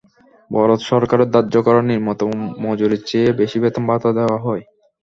বরং সরকারের ধার্য করা নিম্নতম মজুরির চেয়ে বেশি বেতন-ভাতা দেওয়া হয়।